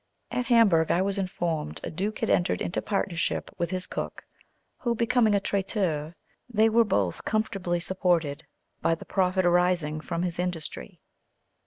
At Hamburg, I was informed, a duke had entered into partnership with his cook, who becoming a traiteur, they were both comfortably supported by the profit arising from his industry.